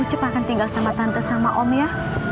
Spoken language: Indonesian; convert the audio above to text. jepang akan tinggal sama tante sama om ya